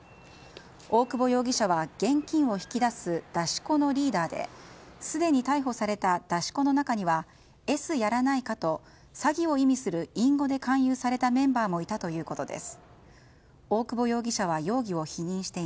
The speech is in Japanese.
大久保容疑者は現金を引き出す出し子のリーダーですでに逮捕された出し子の中にはＳやらないかと詐欺を意味する隠語で勧誘されたメンバーもいたということです。